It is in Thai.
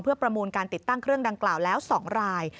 เพื่อประมูลการติดตั้งเครื่องดังกล่าวแล้ว๒ราย